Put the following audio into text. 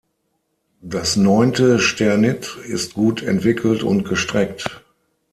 Das neunte Sternit ist gut entwickelt und gestreckt.